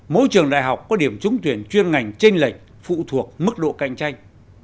mỗi trường đại học có điểm trúng tuyển chuyên ngành tranh lệch phụ thuộc mức độ cạnh tranh